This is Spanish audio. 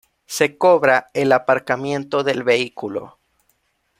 Se cobra el aparcamiento del vehículo.